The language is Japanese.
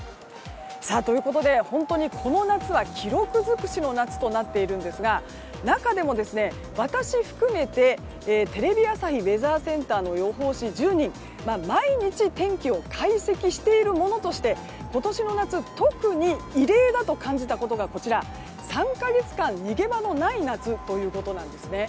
ということで、本当にこの夏は記録尽くしの夏となっていますが中でも、私含めてテレビ朝日ウェザーセンターの予報士１０人が毎日天気を解析している者として今年の夏特に異例だと感じたことが３か月間逃げ場のない夏ということなんですね。